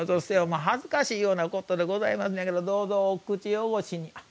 もう、恥ずかしいようなことでございますねんけどどうぞ、お口よごしに。